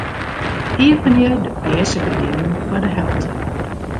Iepenje de pearse gerdinen foar de helte.